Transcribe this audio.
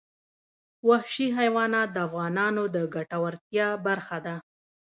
وحشي حیوانات د افغانانو د ګټورتیا برخه ده.